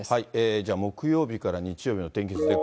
じゃあ、木曜日から日曜日の天気図です。